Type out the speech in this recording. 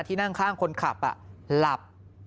ที่นั่งข้างคนขับหลับ